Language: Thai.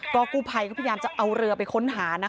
ก็กุภัยก็พยามจะเอาเรือไปค้นหา